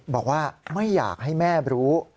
บอกว่าไม่อยากให้แม่รู้